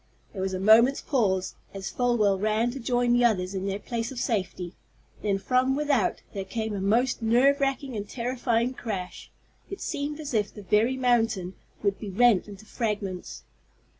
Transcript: There was a moment's pause, as Folwell ran to join the others in their place of safety. Then from without there came a most nerve racking and terrifying crash. It seemed as if the very mountain would be rent into fragments.